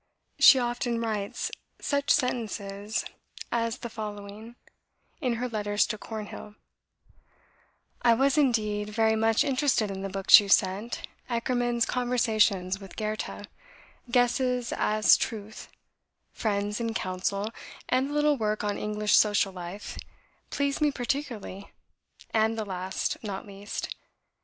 She often writes such sentences as the following, in her letters to Cornhill: "I was indeed very much interested in the books you sent 'Eckermann's Conversations with Goethe,' 'Guesses as Truth,' 'Friends in Council,' and the little work on English social life, pleased me particularly, and the last not least.